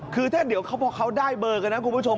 คือถ้าเดี๋ยวพอเขาได้เบอร์กันนะคุณผู้ชม